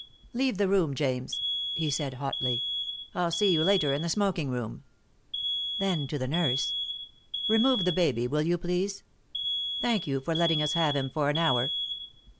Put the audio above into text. "Leave the room, James," he said hotly. "I'll see you later in the smoking room." Then, to the nurse: "Remove the baby, will you, please? Thank you for letting us have him for an hour."